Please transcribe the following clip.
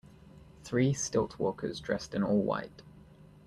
three stilt walkers dressed in all white.